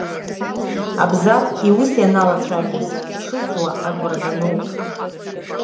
Абзагә иус ианалацәажәоз, дшыӡуа агәра ганоуп.